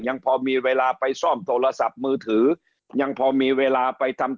ยังพอมีเวลาไปซ่อมโทรศัพท์มือถือยังพอมีเวลาไปทำ